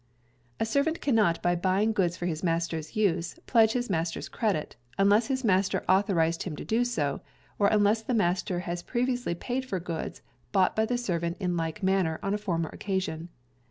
A servant cannot by buying goods for his employer's use pledge his master's credit, unless his master authorized him to do so, or unless the master has previously paid for goods bought by the servant in like manner on a former occasion.